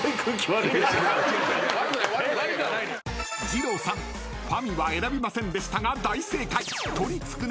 ［じろうさん「ファミ」は選びませんでしたが大正解］